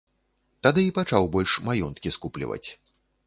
Тады і пачаў больш маёнткі скупліваць.